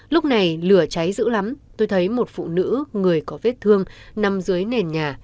lúc này lửa cháy dữ lắm tôi thấy một phụ nữ người có vết thương nằm dưới nền nhà